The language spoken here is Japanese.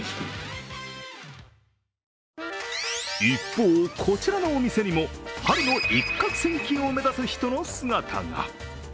一方、こちらのお店にも春の一獲千金を目指す人の姿が。